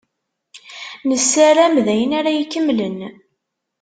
Nessaram d ayen ara ikemmlen.